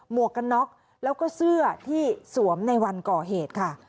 วกกันน็อกแล้วก็เสื้อที่สวมในวันก่อเหตุค่ะ